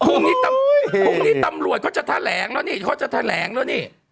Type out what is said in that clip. พรุ่งนี้พรุ่งนี้ตำรวจเขาจะแถลงแล้วนี่เขาจะแถลงแล้วนี่